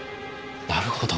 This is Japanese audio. なるほど。